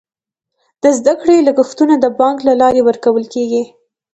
د زده کړې لګښتونه د بانک له لارې ورکول کیږي.